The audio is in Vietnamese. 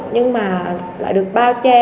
nhưng mà lại được bao che